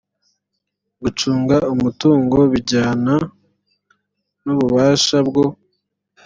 gucunga umutungo bijyana n ububasha bwo